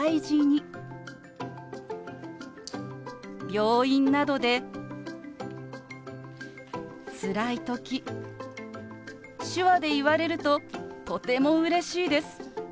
病院などでつらい時手話で言われるととてもうれしいです。